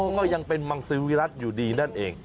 ก็ยังเป็นมังสือวิรัติอยู่ดีนั่นเอง